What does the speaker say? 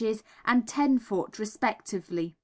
and 10 ft. respectively.